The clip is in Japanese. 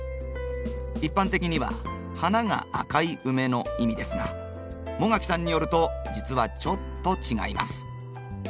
一般的には花が赤いウメの意味ですが茂垣さんによると実はちょっと違います。